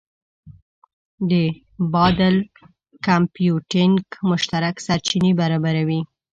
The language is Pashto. د بادل کمپیوټینګ مشترک سرچینې برابروي.